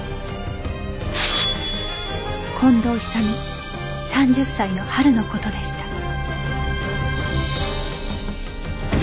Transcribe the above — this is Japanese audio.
近藤勇３０歳の春の事でした